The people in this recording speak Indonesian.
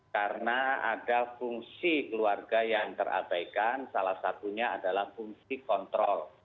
karena ada fungsi keluarga yang terabaikan salah satunya adalah fungsi kontrol